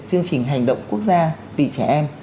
chương trình hành động quốc gia vì trẻ em